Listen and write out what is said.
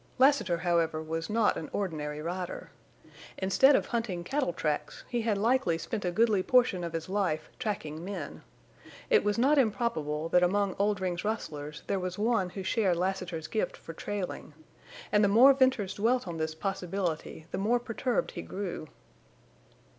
Lassiter, however, was not an ordinary rider. Instead of hunting cattle tracks he had likely spent a goodly portion of his life tracking men. It was not improbable that among Oldring's rustlers there was one who shared Lassiter's gift for trailing. And the more Venters dwelt on this possibility the more perturbed he grew.